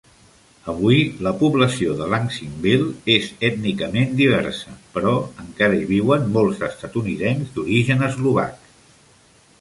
Avui, la població de Lansingville és ètnicament diversa, però encara hi viuen molts estatunidencs d'origen eslovac.